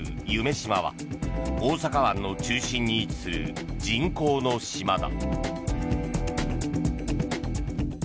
洲は大阪湾の中心に位置する人工の島だ。